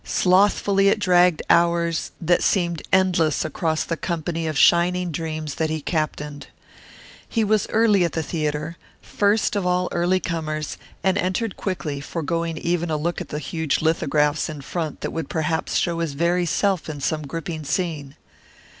Slothfully it dragged hours that seemed endless across the company of shining dreams that he captained. He was early at the theatre, first of early comers, and entered quickly, foregoing even a look at the huge lithographs in front that would perhaps show his very self in some gripping scene.